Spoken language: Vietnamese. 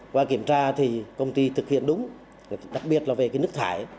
qua kiểm tra thì công ty thực hiện đúng đặc biệt là về nước thải